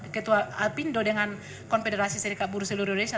ketua apindo dengan konfederasi serikat buruh seluruh indonesia